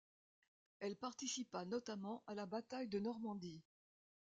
Elle participa notamment à la bataille de Normandie.